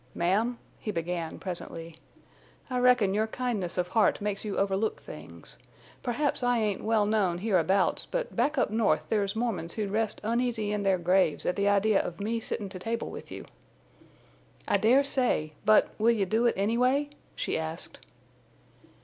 "Ma'am," he began, presently, "I reckon your kindness of heart makes you overlook things. Perhaps I ain't well known hereabouts, but back up North there's Mormons who'd rest uneasy in their graves at the idea of me sittin' to table with you." "I dare say. But—will you do it, anyway?" she asked.